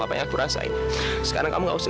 ayah udah gak sayang sama lara